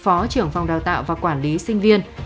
phó trưởng phòng đào tạo và quản lý sinh viên